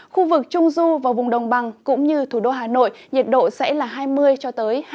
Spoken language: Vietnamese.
khu vực trung du và vùng đồng bằng cũng như thủ đô hà nội nhiệt độ sẽ là hai mươi hai mươi một độ